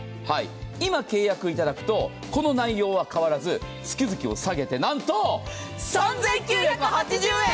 今契約いただくとこの内容は変わらず月々を下げてなんと、３９８０円！